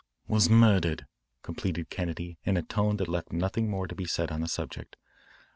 "Was murdered," completed Kennedy in a tone that left nothing more to be said on the subject.